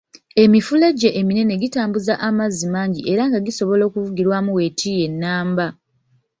Emifulejje eminene gitambuza amazzi mangi era nga gisobola n'okuvugirwamu weetiiye nnamba